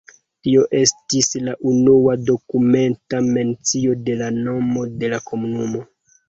Tio estis la unua dokumenta mencio de la nomo de la komunumo.